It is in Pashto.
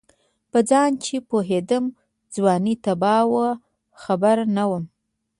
په ځان چې پوهېدم ځواني تباه وه خبر نه وم